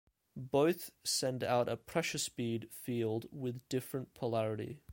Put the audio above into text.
Both send out a pressure-speed field with different polarity.